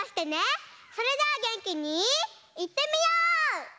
それじゃあげんきにいってみよう！